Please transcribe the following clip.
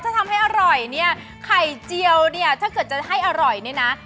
ถ้าทำให้อร่อยเนี่ยไข่เจียวเนี่ยถ้าเกิดจะให้อร่อยเนี่ยนะ